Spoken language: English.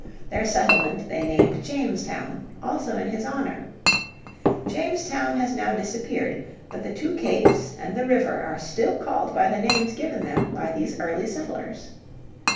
Their settlement they named Jamestown, also in his honour. Jamestown has now disappeared, but the two capes and the river are still called by the names given them by these early settlers.